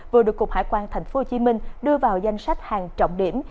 vừa được cục hải quan tp hcm đưa vào danh sách hàng trọng điểm